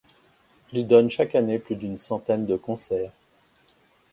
Il donne chaque année plus d'une centaine de concerts.